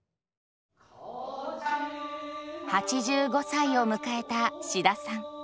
８５歳を迎えた志田さん。